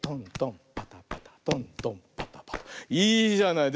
いいじゃない？